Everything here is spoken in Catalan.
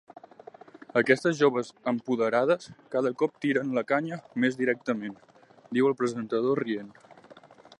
Aquestes joves empoderades cada cop tiren la canya més directament —diu el presentador, rient—.